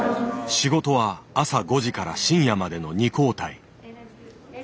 仕事は朝５時から深夜までの２交代。